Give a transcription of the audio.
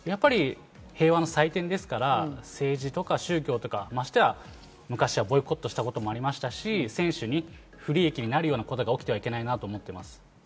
平和の祭典ですから、政治・宗教、ましてはボイコットしたこともありましたし、選手に不利益になるようなことが起きてはいけないなと思います。